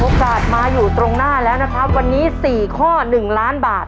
มาอยู่ตรงหน้าแล้วนะครับวันนี้๔ข้อ๑ล้านบาท